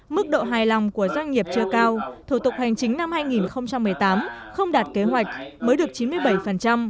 mức độ hài lòng của doanh nghiệp chưa cao thủ tục hành chính năm hai nghìn một mươi tám không đạt kế hoạch mới được chín mươi bảy